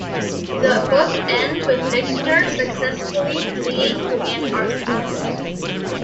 The book ends with Viktor successfully fleeing to Antarctica.